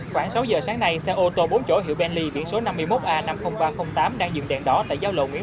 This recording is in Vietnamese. khoảng sáu giờ sáng nay xe ô tô bốn chỗ hiệu benly biển số năm mươi một a năm mươi nghìn ba trăm linh tám đang dừng đèn đỏ tại giao lộ nguyễn